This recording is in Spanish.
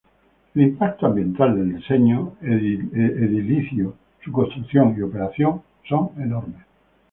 El impacto ambiental del diseño edilicio, su construcción y operación son enormes.